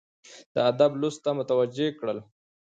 د ادب لوست ته متوجه کړل،